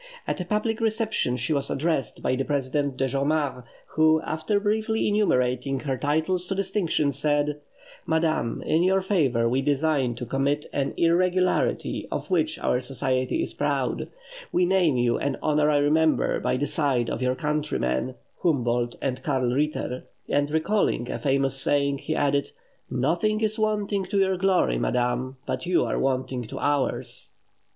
At a public reception she was addressed by the president, de Jomard, who, after briefly enumerating her titles to distinction, said: "Madame, in your favour we design to commit an irregularity of which our Society is proud: we name you an honorary member by the side of your country men, Humboldt and Karl Ritter;" and recalling a famous saying, he added, "Nothing is wanting to your glory, madame, but you are wanting to ours."